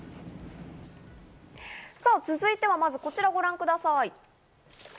続いては、まずこちらをご覧ください。